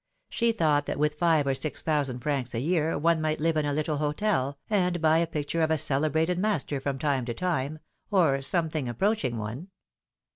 She thought that with five or six thousand francs a year one might live in a little hotel, and buy a picture of a celebrated master from time to time, or something approaching one.